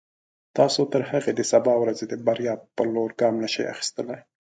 تاسو تر هغې د سبا ورځې د بریا په لور ګام نشئ اخیستلای.